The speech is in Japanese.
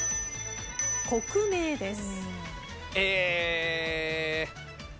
国名です。